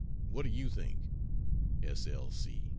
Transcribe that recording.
What do you think? S. L.